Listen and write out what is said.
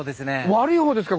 悪い方ですか？